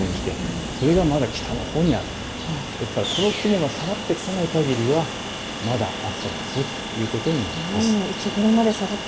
それがまた北のほうにあるですからこの雲が下がってこないかぎりはまだ暑さが続くということになります。